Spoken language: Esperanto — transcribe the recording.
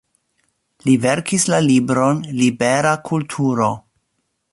Li verkis la libron "Libera kulturo".